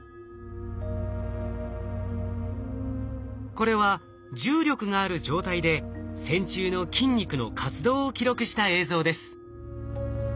これは重力がある状態で線虫の筋肉の活動を記録した映像です。